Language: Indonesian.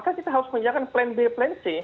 kan kita harus menyiapkan plan b plan c